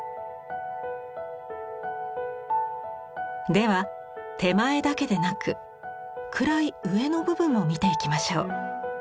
では手前だけでなく暗い上の部分も見ていきましょう。